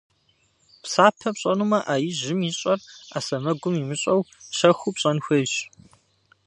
Псапэ пщӏэнумэ, ӏэ ижьым ищӏэр ӏэ сэмэгум имыщӏэу, щэхуу пщӏэн хуейщ.